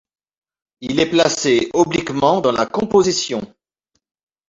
Il est placé obliquement dans la composition.